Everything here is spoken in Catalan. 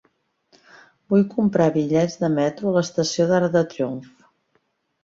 Vull comprar bitllets de metro a l'estació d'Arc de Triomf.